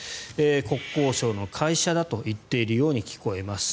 国交省の会社だと言っているように聞こえます。